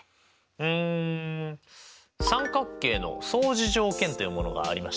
うん三角形の相似条件というものがありましたね。